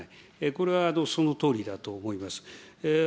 これはそのとおりだと思います。